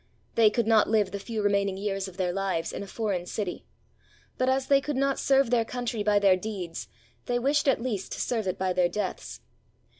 They could not Hve the few remaining years of their lives in a foreign city, but as they could not serve their country by their deeds, they wished at least to serve it by their deaths.